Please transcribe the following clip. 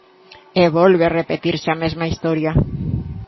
E volve repetirse a mesma historia.